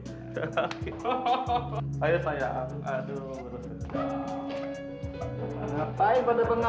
ngapain pada penolong